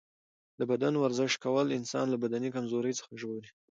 د بدن ورزش کول انسان له بدني کمزورۍ څخه ژغوري.